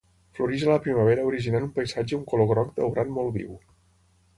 Floreix a la primavera originant un paisatge un color groc daurat molt viu.